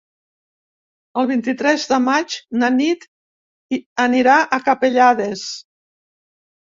El vint-i-tres de maig na Nit anirà a Capellades.